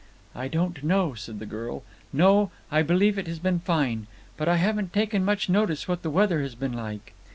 "I don't know," said the girl. "No; I believe it has been fine. But I haven't taken much notice what the weather has been like."